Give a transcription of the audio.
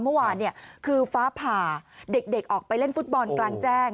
เมื่อวานคือฟ้าผ่าเด็กออกไปเล่นฟุตบอลกลางแจ้ง